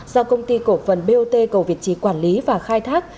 do công ty cổ phần bot cầu việt trì quản lý và khai thác